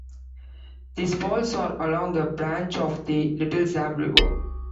These falls are along a branch of the Little Zab River.